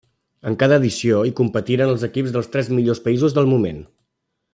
En cada edició hi competiren els equips dels tres millors països del moment.